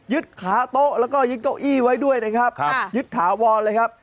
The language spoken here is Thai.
ขาโต๊ะแล้วก็ยึดเก้าอี้ไว้ด้วยนะครับยึดถาวรเลยครับ